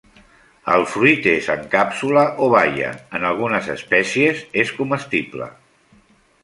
El fruit és en càpsula o baia en algunes espècies és comestible.